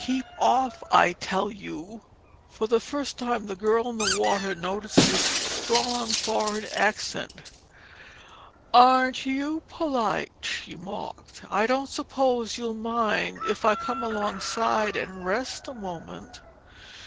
Keep off, I tell you." For the first time, the girl in the water noticed his strong foreign accent. "Aren't you polite!" she mocked. "I don't suppose you'll mind if I come alongside and rest a moment?"